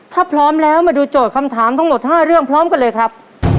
ถ้าพร้อมแล้วมาดูโจทย์คำถามทั้งหมด๕เรื่องพร้อมกันเลยครับ